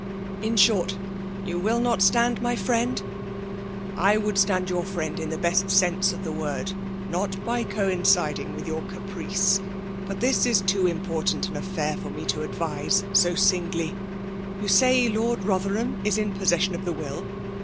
" In short, you will not stand my friend r " I would stand your friend in the best sense of the word, not by coinciding with your ca price. But this is too important an affair for me to advise in singly. You say Lord Bother ham is in possession of the will